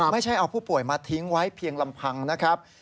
ไม่ใช่เอาผู้ป่วยมาทิ้งไว้เพียงลำพังนะครับ